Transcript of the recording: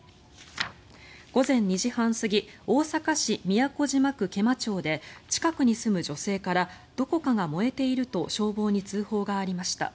午前２時半過ぎ大阪市都島区毛馬町で近くに住む女性からどこかが燃えていると消防に通報がありました。